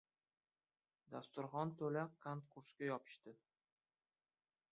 Dasturxon to‘la qand-qursga yopishdi.